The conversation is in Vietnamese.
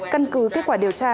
cân cứ kết quả điều tra